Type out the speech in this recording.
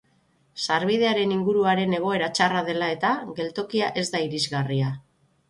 Sarbidearen inguruaren egoera txarra dela eta, geltokia ez da irisgarria.